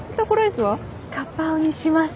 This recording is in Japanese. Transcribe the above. ガパオにします。